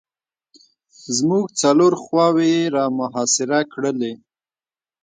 زموږ څلور خواوې یې را محاصره کړلې.